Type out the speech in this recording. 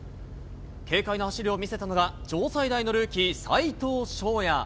軽快な走りを見せたのが、城西大のルーキー、斎藤将也。